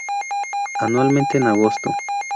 Anualmente en agosto.